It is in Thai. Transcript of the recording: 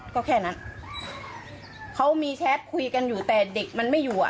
ก็แค่นั้นเขามีแชทคุยกันอยู่แต่เด็กมันไม่อยู่อ่ะ